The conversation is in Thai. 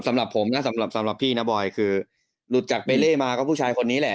สำหรับผมนะสำหรับสำหรับพี่นะบอยคือหลุดจากเบเล่มาก็ผู้ชายคนนี้แหละ